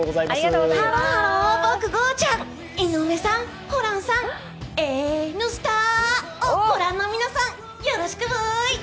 ハロハロー、僕、ゴーちゃん。井上さん、ホランさん「えぬすた」をごらんの皆さんよろしく！